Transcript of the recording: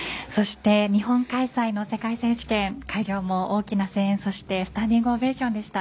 日本開催の世界選手権会場も大きな声援スタンディングオベーションでした。